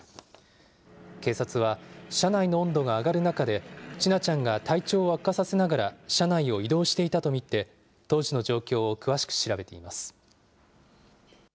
警察は、車内の温度が上がる中で、千奈ちゃんが体調を悪化させながら車内を移動していたと見て、当時刻、７時１１分。